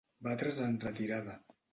Batre's en retirada.